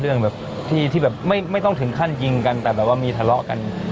เรื่องแบบที่แบบไม่ต้องถึงขั้นยิงกันแต่แบบว่ามีทะเลาะกัน